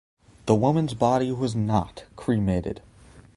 The woman's body was not cremated.